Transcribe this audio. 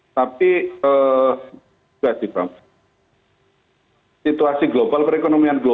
tapi berarti bram situasi global perekonomiannya